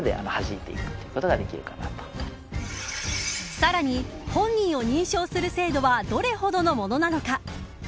さらに、本人を認証する精度はどれほどのものなのか。